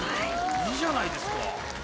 いいじゃないですか。